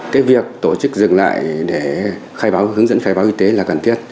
cái việc tổ chức dừng lại để hướng dẫn khai báo y tế là cần thiết